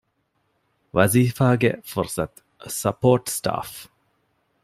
ވަޒީފާގެ ފުރުޞަތު - ސަޕޯޓް ސްޓާފް